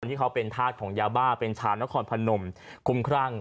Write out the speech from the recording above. เป็นภาพคลักษณ์ของยาบ้าเป็นชาวนครพนมคุ้มคร่ัง